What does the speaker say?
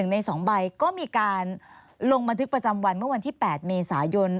ใน๒ใบก็มีการลงบันทึกประจำวันเมื่อวันที่๘เมษายน